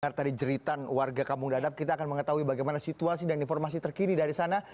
karena tadi jeritan warga kampung dadap kita akan mengetahui bagaimana situasi dan informasi terkini dari sana